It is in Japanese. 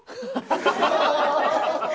ハハハハ！